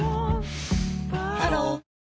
ハロー